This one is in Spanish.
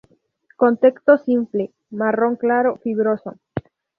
Contexto simple, marrón claro, fibroso.